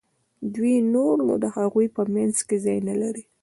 دوی نور نو د هغوی په منځ کې ځای نه لري.